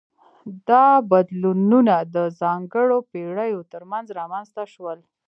دا بدلونونه د ځانګړو پیړیو ترمنځ رامنځته شول.